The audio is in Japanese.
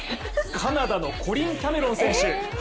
カナダのコリン・キャメロン選手